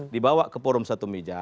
dibawa ke forum satu meja